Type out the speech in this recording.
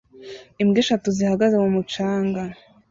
Imbwa eshatu zihagaze mu mucanga